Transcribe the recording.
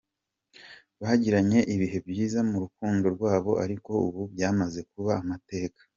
Bagiranye ibihe byiza mu rukundo rwabo ariko ubu byamaze kuba amateka.